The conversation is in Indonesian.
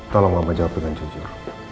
tolong mama jawab dengan jujur